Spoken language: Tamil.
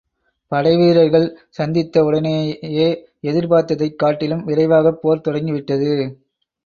படைவீரர்கள் சந்தித்த உடனேயே எதிர்பார்த்ததைக் காட்டிலும் விரைவாகப் போர் தொடங்கி விட்டது.